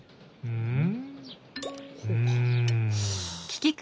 うん？